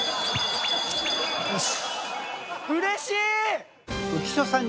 よし。